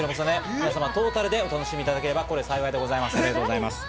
皆様トータルでお楽しみいただければ、これ幸いです。